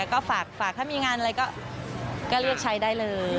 ก็ฝากถ้ามีงานอะไรก็เรียกใช้ได้เลย